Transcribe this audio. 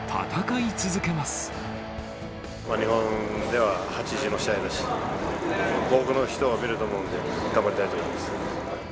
日本では８時の試合だし、多くの人が見ると思うんで、頑張りたいと思います。